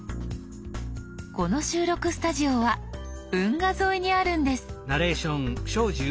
この収録スタジオは運河沿いにあるんです。